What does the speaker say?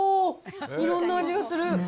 いろんな味がする。